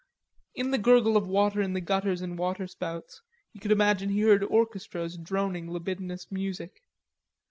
In the gurgle of water in gutters and water spouts he could imagine he heard orchestras droning libidinous music.